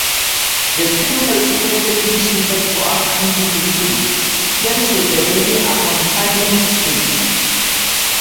The hummel is perfectly suited for accompanying tunes, thanks to the many accompaniment strings.